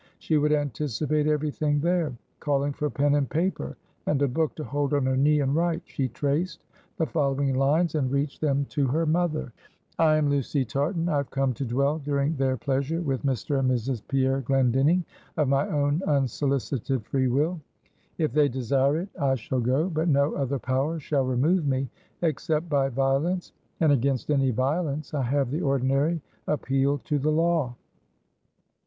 She would anticipate every thing there. Calling for pen and paper, and a book to hold on her knee and write, she traced the following lines, and reached them to her mother: "I am Lucy Tartan. I have come to dwell during their pleasure with Mr. and Mrs. Pierre Glendinning, of my own unsolicited free will. If they desire it, I shall go; but no other power shall remove me, except by violence; and against any violence I have the ordinary appeal to the law."